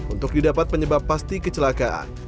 untuk didapat penyebab pasti kecelakaan